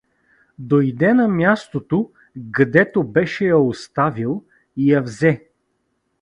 Дойде на мястото, гдето беше я оставил, и я взе.